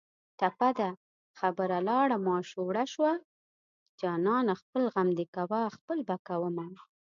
ټپه ده: خبره لاړه ماشوړه شوه جانانه خپل غم دې کوه خپل به کومه